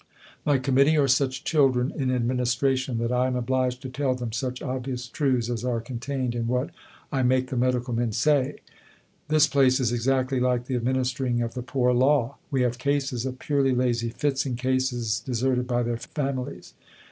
My Committee are such children in administration that I am obliged to tell them such obvious truths as are contained in what I make the Medical Men say. This place is exactly like the administering of the Poor Law. We have cases of purely lazy fits and cases deserted by their families.